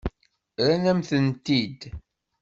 Rran-am-tent-id.